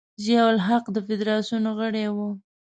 ضیا الحق د فدراسیون غړی و.